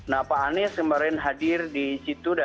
nah pak anies kemarin hadir di situ